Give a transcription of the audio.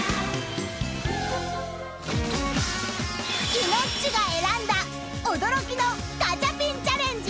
［いのっちが選んだ驚きのガチャピンチャレンジ